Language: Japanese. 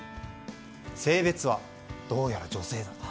性別はどうやら女性。